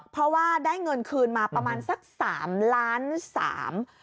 เพราะว่าได้เงินคืนมาประมาณสักสามล้านสาม